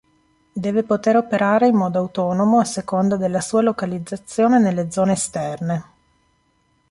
Deve poter operare in modo autonomo a seconda della sua localizzazione nelle zone esterne.